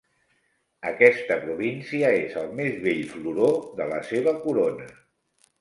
Aquesta província és el més bell floró de la seva corona.